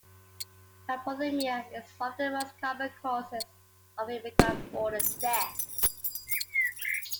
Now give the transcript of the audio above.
Hypothermia is one of the most common causes of immigrant border deaths.